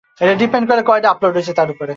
দুটো চোখ পরস্পরকে দেখতে চায় না।